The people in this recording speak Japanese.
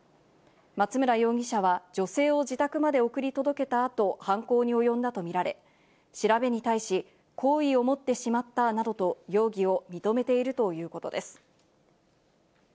松村容疑者は女性を自宅まで送り届けたあと犯行におよんだとみられ、調べに対し、好意を持ってしまったなどと容疑を認めているということです。